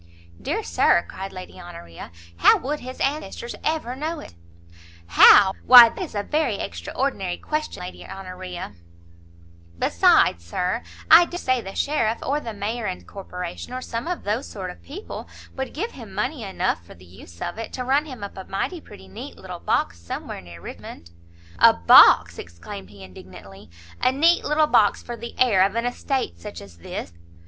"Dear Sir," cried Lady Honoria, "how would his ancestors ever know it?" "How? why that is a very extraordinary question, Lady Honoria!" "Besides, Sir, I dare say the sheriff, or the mayor and corporation, or some of those sort of people, would give him money enough, for the use of it, to run him up a mighty pretty neat little box somewhere near Richmond." "A box!" exclaimed he indignantly; "a neat little box for the heir of an estate such as this!"